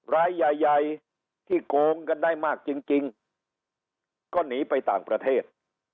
รายใหญ่ที่โกงกันได้มากจริงก็หนีไปต่างประเทศ